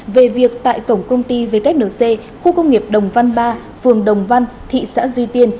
về việc tại cổng công ty wnc khu công nghiệp đồng văn ba phường đồng văn thị xã duy tiên